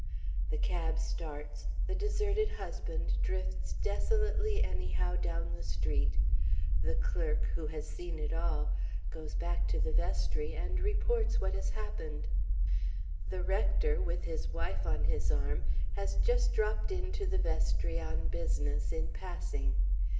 The cab starts; the deserted husband drifts desolately anyhow down the street. The clerk, who has seen it all, goes back to the vestry and reports what has happened. The rector (with his wife on his arm) has just dropped into the vestry on business in passing.